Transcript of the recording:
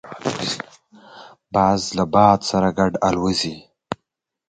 باز له باد سره ګډ الوزي